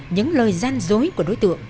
những lời gian dối của đối tượng